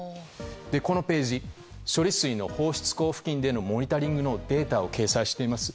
このページ処理水の放出口付近でのモニタリングのデータを掲載しています。